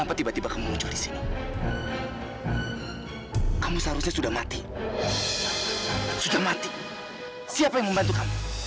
apa apaan sih pak